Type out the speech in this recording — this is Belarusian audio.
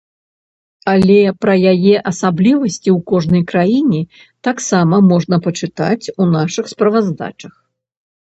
Але пра яе асаблівасці ў кожнай краіне таксама можна пачытаць у нашых справаздачах.